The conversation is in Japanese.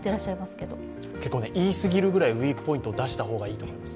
言いすぎるぐらい、ウィークポイントを出した方がいいと思います。